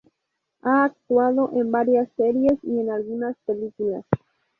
Ha actuado en varias series y en algunas películas.